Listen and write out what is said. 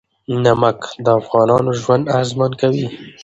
نمک د افغانانو ژوند اغېزمن کوي.